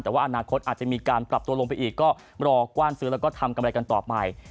แต่ว่าอนาคตอาจจะมีการปรับตัวลงไปอีกก็รอกว้านซื้อแล้วก็ทำกำไรกันต่อไป